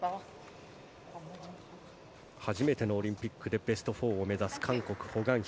初めてのオリンピックでベスト４を目指す韓国、ホ・グァンヒ。